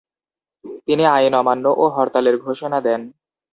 তিনি আইন অমান্য ও হরতালের ঘোষণা দেন।